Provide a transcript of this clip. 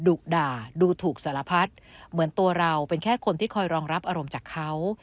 ดุด่าดูถูกสารพัดเหมือนตัวเราเป็นแค่คนที่คอยรองรับอารมณ์จากเขา